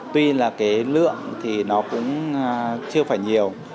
tuy là cái lượng thì nó cũng chưa phải nhiều